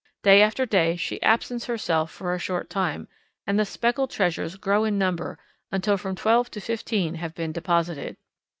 Day after day she absents herself for a short time, and the speckled treasures grow in number until from twelve to fifteen have been deposited.